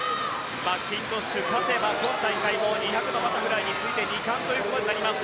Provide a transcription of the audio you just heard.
マッキントッシュ勝てば今大会２００ｍのバタフライに次いで２冠ということになります。